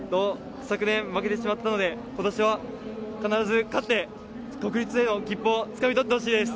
昨年負けてしまったので、今年は必ず勝って国立への切符をつかみ取ってほしいです。